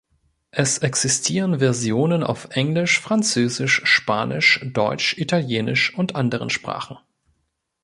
Es existieren Versionen auf Englisch, Französisch, Spanisch, Deutsch, Italienisch und anderen Sprachen.